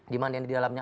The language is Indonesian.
empat dimana di dalamnya